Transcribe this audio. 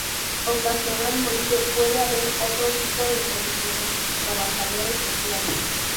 Ocasionalmente puede haber otro tipo de profesionales: Trabajadores sociales.